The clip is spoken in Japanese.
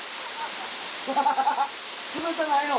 冷たないの？